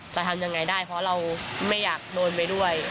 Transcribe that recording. จะทำยังไงได้เพราะเราไม่อยากโดนไปด้วย